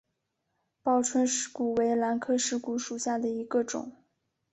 报春石斛为兰科石斛属下的一个种。